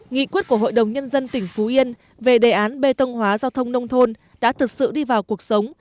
nghị quyết của hội đồng nhân dân tỉnh phú yên về đề án bê tông hóa giao thông nông thôn đã thực sự đi vào cuộc sống